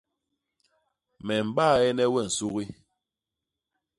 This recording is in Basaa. Me mbaene we nsugi.